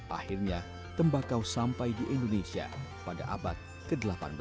akhirnya tembakau sampai di indonesia pada abad ke delapan belas